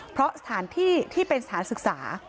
เพราะสถานที่ที่เป็นสถานศึกษา